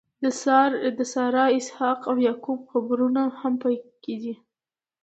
د سارا، اسحاق او یعقوب قبرونه هم په کې دي.